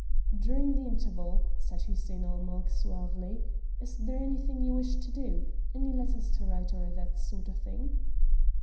"During the interval," said Hussein ul Mulk suavely, "is there anything you wish to do any letters to write, or that sort of thing?"